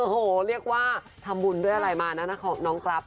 โอ้โหเรียกว่าทำบุญด้วยอะไรมานะน้องกรัฟ